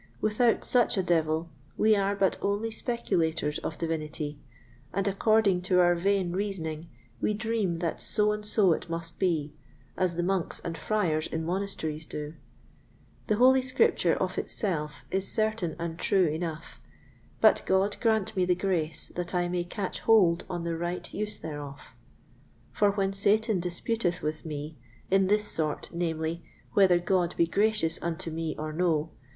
Without such a devil, we are but only speculators of divinity, and according to our vain reasoning we dream that so and so it must be, as the Monks and Friars in monasteries do. The Holy Scripture of itself is certain and true enough; but God grant me the grace that I may catch hold on the right use thereof; for when Satan disputeth with me in this sort, namely, whether God be gracious unto me or no?